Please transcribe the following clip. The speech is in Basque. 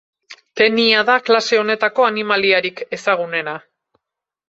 Tenia da klase honetako animaliarik ezagunena.